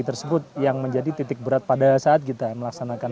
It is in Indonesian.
tersebut yang menjadi titik berat pada saat kita melaksanakan